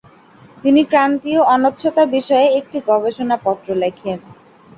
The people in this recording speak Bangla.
তিনি ক্রান্তীয় অনচ্ছতা বিষয়ে একটি গবেষণাপত্র লেখেন।